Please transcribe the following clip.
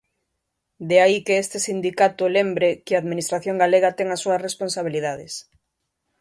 De aí que este sindicato lembre que a administración galega ten as súas responsabilidades.